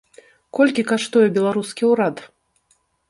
Колькі каштуе беларускі ўрад?